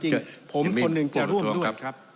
จริงผมคนหนึ่งจะร่วมด้วยครับ